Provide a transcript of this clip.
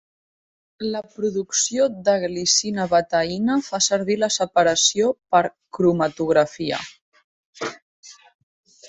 La producció de glicina betaïna fa servir la separació per cromatografia.